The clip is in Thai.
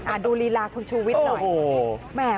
อะดูลีล่ากคนชูวิทหน่อย